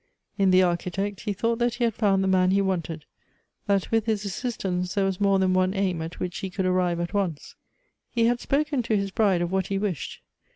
In the Architect he thought that he had found the man he wanted; that with his assistance there was more than one aim at which he could arrive at once. He had spoken to his bride of what he wished.